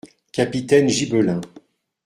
- Capitaines gibelins.